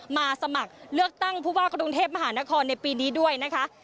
มาสมัครเลือกตั้งผู้ว่ากรุงเทพมหานครในปีนี้ด้วยนะคะ